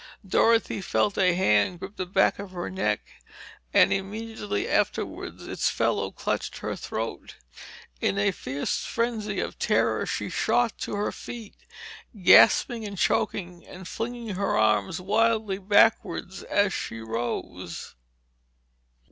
Dorothy felt a hand grip the back of her neck and immediately afterward its fellow clutched her throat. In a fierce frenzy of terror, she shot to her feet, gasping and choking and flinging her arms wildly backwards as she rose.